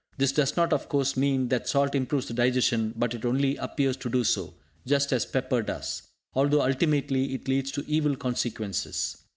This does not, of course, mean that salt improves the digestion, but it only appears to do so, just as pepper does, although ultimately it leads to evil consequences.